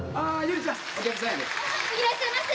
いらっしゃいませ。